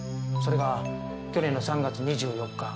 それが去年の３月２４日。